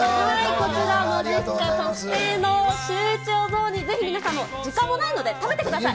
こちら、まじっすか特製のシューイチお雑煮、ぜひ皆さん、時間もないので、食べてください。